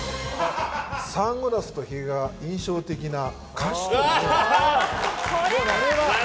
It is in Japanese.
サングラスとヒゲが印象的な歌手といえば？